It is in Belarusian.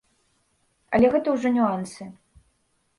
Але гэта ўжо нюансы.